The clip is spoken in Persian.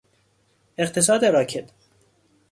اقتصاد راکد